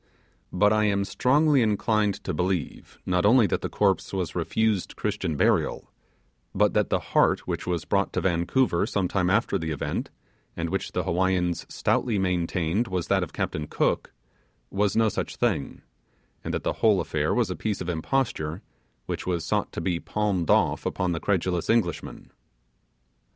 But I am strongly inclined to believe not only the corpse was refused Christian burial, but that the heart which was brought to Vancouver some time after the event, and which the Hawaiians stoutly maintained was that of Captain Cook, was no such thing; and that the whole affair was a piece of imposture which was sought to be palmed off upon the credulous Englishman.